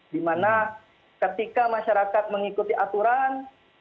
di mana ketika masyarakat mengikuti aturan